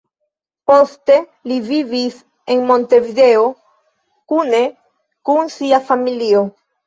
Poste li vivis en Montevideo kune kun sia familio.